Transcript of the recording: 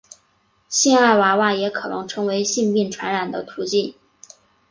性爱娃娃也可能成为性病传染的途径。